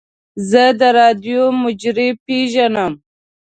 زه د راډیو مجری پیژنم.